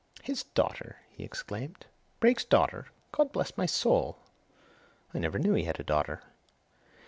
"His daughter!" he exclaimed. "Brake's daughter! God bless my soul! I never knew he had a daughter!"